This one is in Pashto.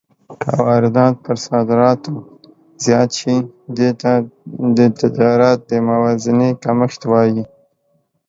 که واردات پر صادراتو زیات شي، دې ته د تجارت د موازنې کمښت وايي.